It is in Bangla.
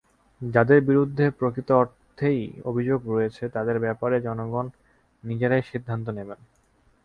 যাঁদের বিরুদ্ধে প্রকৃত অর্থেই অভিযোগ রয়েছে, তাঁদের ব্যাপারে জনগণ নিজেরাই সিদ্ধান্ত নেবেন।